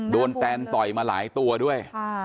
แตนต่อยมาหลายตัวด้วย